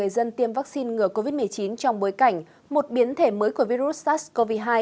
dân tiêm vaccine ngừa covid một mươi chín trong bối cảnh một biến thể mới của virus sars cov hai